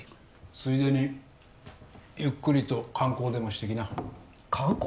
ついでにゆっくりと観光でもしてきな観光！？